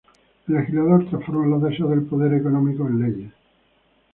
El legislador transforma los deseos del poder económico en leyes